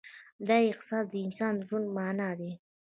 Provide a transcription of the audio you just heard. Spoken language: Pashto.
دا احساس د انسان د ژوند معنی ده.